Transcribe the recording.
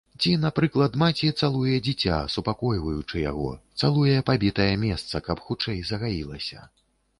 Ці напрыклад, маці цалуе дзіця, супакойваючы яго, цалуе пабітае месца, каб хутчэй загаілася.